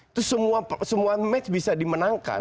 itu semua match bisa dimenangkan